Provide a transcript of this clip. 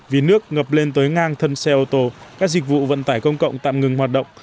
vì nước ngập lên tới ngang thân xe ô tô các dịch vụ vận tải công cộng tạm ngừng hoạt động